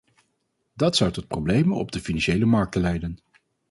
Dat zou tot problemen op de financiële markten leiden.